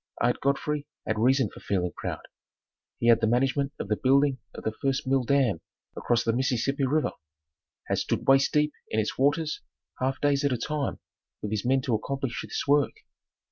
Ard Godfrey had reason for feeling proud. He had the management of the building of the first mill dam across the Mississippi River, had stood waist deep in its waters, half days at a time with his men to accomplish this work.